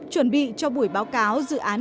chuẩn bị cho buổi báo cáo dự án